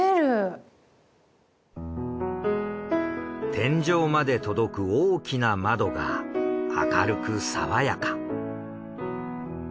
天井まで届く大きな窓が明るくさわやか。